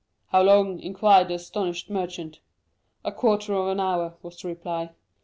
"'How long?' inquired the astonished merchant. 30043m "'A quarter of an hour,' was the reply.